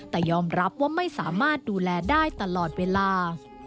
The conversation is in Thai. แต่ยอมรับว่าไม่สามารถดูแลได้ตลอดเวลา